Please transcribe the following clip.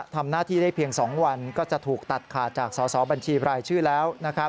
ทำหน้าที่ได้เพียง๒วันก็จะถูกตัดขาดจากสอสอบัญชีรายชื่อแล้ว